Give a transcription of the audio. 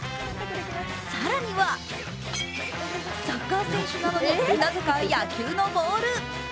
更には、サッカー選手なのになぜか野球のボール。